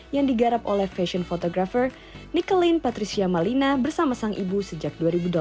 yang digarap oleh fashion photographer nikelin patricia malina bersama sang ibu sejak dua ribu delapan belas